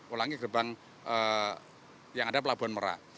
ulangi gerbang yang ada pelabuhan merak